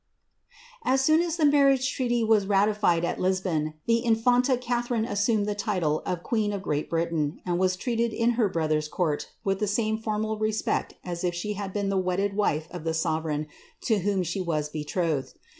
'']• As soon as the roirriagc treaty was ratified at Lisbon, the in&nli Catliarinc assumed the title of queen of Great Britain, and was treated in her brother's court with tlie same formal respect as if she had been the wedded wife of the sovereign to whom she was betrothed.